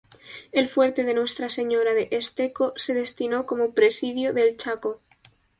El fuerte de Nuestra Señora de Esteco se destinó como presidio del Chaco.